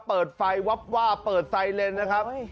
เปิดไฟวับวาบเปิดไซเลนนะครับ